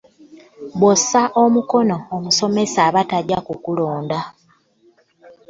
Bw'ossa omukono ,omusomesa aba tajja kukulonda